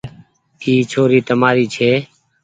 اي ڇوري تمآري ڇي۔